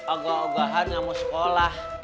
agak agahan gak mau sekolah